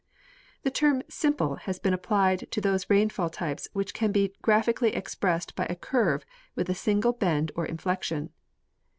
The term mniple has been applied to those rainftill types Avhich can be graphically expressed by a curve Avith a single bend or inflection.